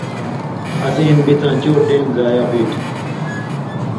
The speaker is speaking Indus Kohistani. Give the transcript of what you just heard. اسی ہِن بِڅاں چو ٹیم ضائع ہُوی تُھو